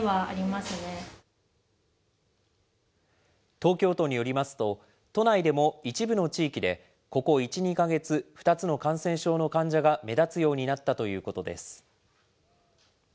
東京都によりますと、都内でも一部の地域で、ここ１、２か月、２つの感染症の患者が目立つようになったということです。